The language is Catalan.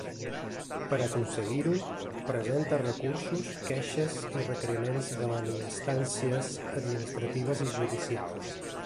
Per aconseguir-ho, presenta recursos, queixes i requeriments davant instàncies administratives i judicials.